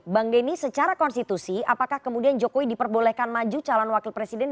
bang denny secara konstitusi apakah kemudian jokowi diperbolehkan maju calon wakil presiden dua ribu dua puluh empat